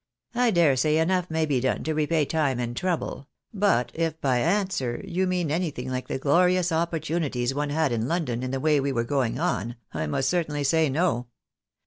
" I dare say enough may be done to repay time and trouble ; but, if by answer you mean anything hke the glorious opportunities one had in London in the way we were going on, I must certainly say NO.